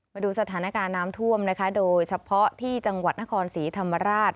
มาดูสถานการณ์น้ำท่วมนะคะโดยเฉพาะที่จังหวัดนครศรีธรรมราช